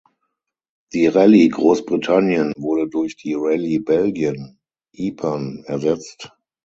Die Rallye Großbritannien wurde durch die Rallye Belgien (Ypern) ersetzt.